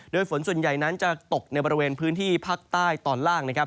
โดยฝนส่วนใหญ่นั้นจะตกในบริเวณพื้นที่ภาคใต้ตอนล่างนะครับ